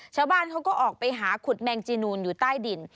ชาวบ้านเขาก็ออกไปหาขุดแมงจีนูนอยู่ใต้ดิน